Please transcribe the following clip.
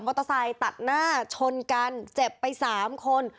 เตอร์ไซค์ตัดหน้าชนกันเจ็บไปสามคน